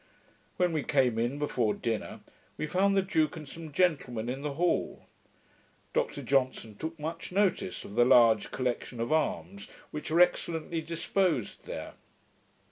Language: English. When we came in, before dinner, we found the duke and some gentlemen in the hall. Dr Johnson took much notice of the large collection of arms, which are excellently disposed there.